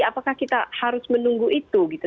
apakah kita harus menunggu itu gitu